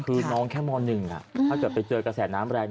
คือน้องแค่ม๑ถ้าเกิดไปเจอกระแสน้ำแรง